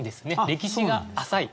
歴史が浅い。